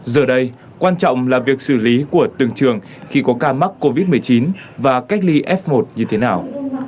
giờ đây quan trọng là việc xử lý của từng trường khi có ca mắc covid một mươi chín và cách ly f một như thế nào